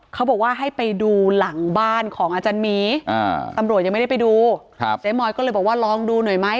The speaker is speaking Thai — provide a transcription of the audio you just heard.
เขาบอกว่าให้ไปดูหลังบ้านของอาจารย์หมีตำรวจยังไม่ได้ไปดูเจ๊มอยก็เลยบอกว่าลองดูหน่อยไหม